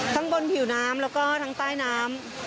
ทั้งบนผิวน้ำแล้วก็ทั้งใต้น้ำ